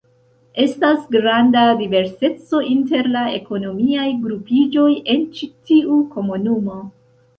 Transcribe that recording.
Estas granda diverseco inter la ekonomiaj grupiĝoj en ĉi tiu komunumo.